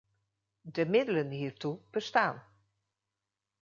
De middelen hiertoe bestaan.